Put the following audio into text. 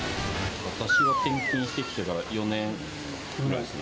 私は転勤してきてから、４年ぐらいですね。